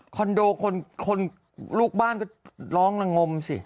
โดคนลูกบ้านก็ร้องละงมสิ